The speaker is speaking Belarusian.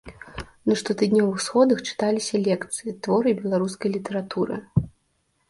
На штотыднёвых сходах чыталіся лекцыі, творы беларускай літаратуры.